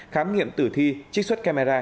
khám nghiệm tử thi trích xuất camera